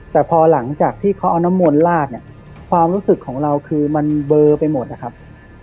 แต่พอหลังจากที่เขาเอาน้ำมนต์ลาดเนี่ยความรู้สึกของเราคือมันเบอร์ไปหมดนะครับ